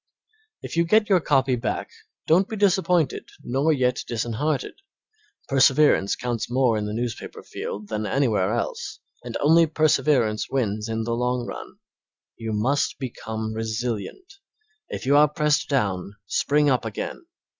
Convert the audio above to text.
If you get your copy back don't be disappointed nor yet disheartened. Perseverance counts more in the newspaper field than anywhere else, and only perseverance wins in the long run. You must become resilient; if you are pressed down, spring up again.